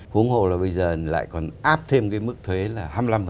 hủng hộ là bây giờ lại còn áp thêm cái mức thuế là hai mươi năm